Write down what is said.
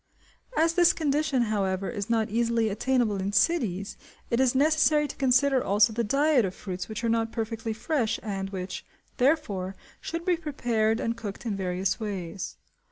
As this condition, however, is not easily attainable in cities, it is necessary to consider also the diet of fruits which are not perfectly fresh and which, therefore, should be prepared and cooked in various ways.